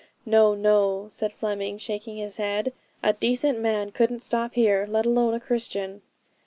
'No, no,' said Fleming, shaking his head: 'a decent man couldn't stop here, let alone a Christian.'